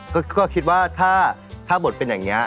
ก็คิดว่าถ้าบทเป็นอย่างนี้